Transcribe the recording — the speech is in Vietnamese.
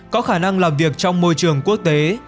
có khả năng làm việc trong môi trường quốc tế